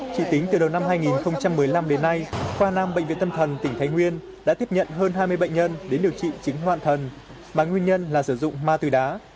chỉ tính từ đầu năm hai nghìn một mươi năm đến nay khoa năm bệnh viện tâm thần tỉnh thái nguyên đã tiếp nhận hơn hai mươi bệnh nhân đến điều trị chính hoàn thần mà nguyên nhân là sử dụng ma túy đá